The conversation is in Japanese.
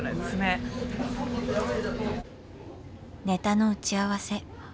ネタの打ち合わせ